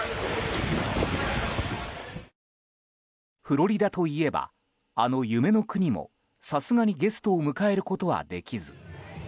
フロリダといえばあの夢の国も、さすがにゲストを迎えることはできず。